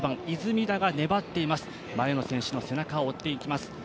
出水田が粘っています、前の選手の背中を追っています